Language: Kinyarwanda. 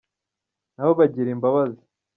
nabo bagira imbabazi.